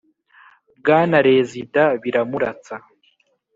Bwana Rezida biramuratsa